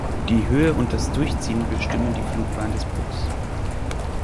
Die Höhe und das Durchziehen bestimmen die Flugbahn des Pucks.